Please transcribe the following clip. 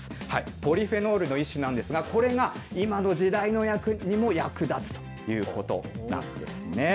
ポリフェノールの一種なんですが、これが今の時代にも役立つということなんですね。